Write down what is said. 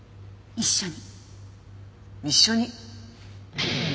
一緒に？